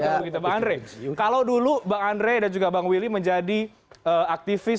kalau begitu bang andre kalau dulu bang andre dan juga bang willy menjadi aktivis